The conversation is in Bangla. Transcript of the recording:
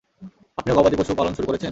আপনিও গবাদি পশু পালন শুরু করেছেন?